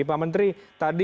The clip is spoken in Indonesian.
pak menteri tadi